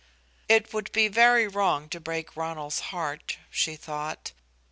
It would be very wrong to break Ronald's heart, she thought.